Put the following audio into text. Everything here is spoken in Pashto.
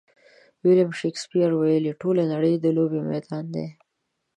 ویلیم شکسپیر ویلي: ټوله نړۍ د لوبې میدان دی.